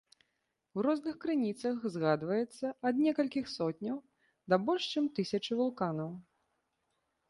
У розных крыніцах згадваецца ад некалькіх сотняў, да больш чым тысячы вулканаў.